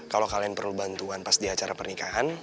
kalau kalian perlu bantuan pas di acara pernikahan